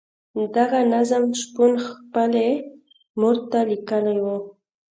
دغه نظم شپون خپلې مور ته لیکلی وو.